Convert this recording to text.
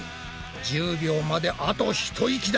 １０秒まであと一息だ！